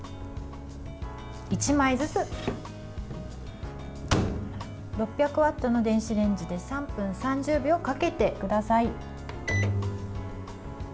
１枚ずつ６００ワットの電子レンジで３分３０秒かけてください。